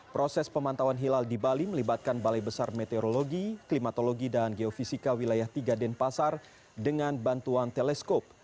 proses pemantauan hilal di bali melibatkan balai besar meteorologi klimatologi dan geofisika wilayah tiga denpasar dengan bantuan teleskop